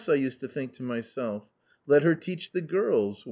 I used to think to myself. "Let her teach the girls.